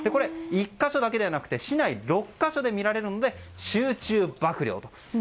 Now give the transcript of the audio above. １か所だけではなくて市内６か所で見られるので、集中曝涼と。